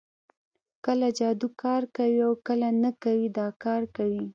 کله جادو کار کوي او کله نه کوي دا کار کوي